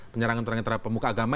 penyerangan terhadap pemuka agama